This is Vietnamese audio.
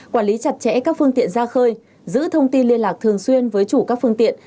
quản lý chặt chẽ các phương tiện ra khơi giữ thông tin liên lạc thường xuyên với chủ các phương tiện